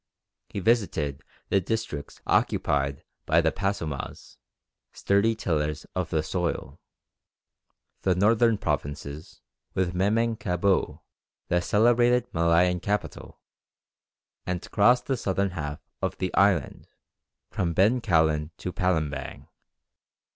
He visited the districts occupied by the Passoumahs, sturdy tillers of the soil, the northern provinces, with Memang Kabou, the celebrated Malayan capital, and crossed the southern half of the island, from Bencoulen to Palimbang.